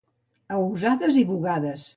A usades i bugades.